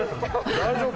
大丈夫？